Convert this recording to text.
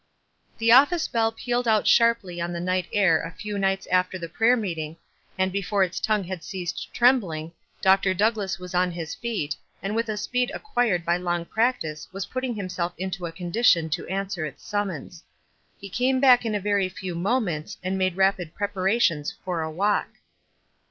The office bell pealed out sharply on the night air a few nights after the prayer meeting, and before its tongue had ceased trembling, Dr. Douglass was on his feet, and with a speed ac quired by long practice was putting himself into a condition to answer its summons. He came back in a very few moments and made rapid preparations for a walk.